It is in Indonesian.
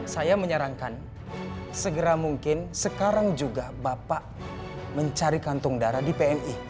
saya menyarankan segera mungkin sekarang juga bapak mencari kantong darah di pmi